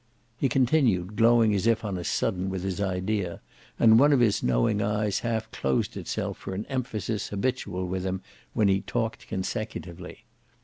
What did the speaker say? He continued, glowing as if on a sudden with his idea, and one of his knowing eyes half closed itself for an emphasis habitual with him when he talked consecutively.